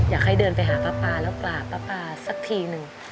อยากให้เดินไปหาป๊าแล้วกราบป๊าสักทีหนึ่ง